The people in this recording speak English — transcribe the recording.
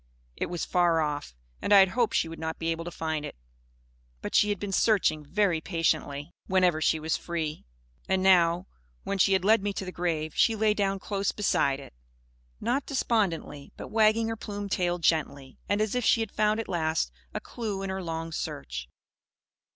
It was far off, and I had hoped she would not be able to find it. But she had been searching, very patiently, whenever she was free. And now, when she had led me to the grave, she lay down close beside it. Not despondently; but wagging her plumed tail gently, and as if she had found at last a clue in her long search.